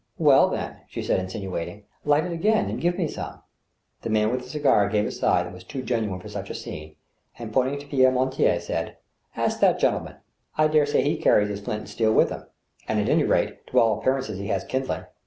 " Well, then," she said, insinuatingly, " light it again and give me some." The man with the cigar gave a sigh that was too genuine for such a scene, and, pointing to Pierre Mortier, said :" Ask that gentleman ; I dare say he carries his flint and steel with him, and, at any rate, to all appearances he has kindling."